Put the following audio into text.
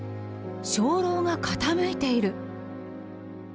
鐘楼が傾いている。